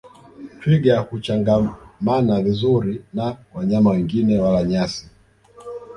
Twiga huchangamana vizuri na wanyama wengine wala nyasi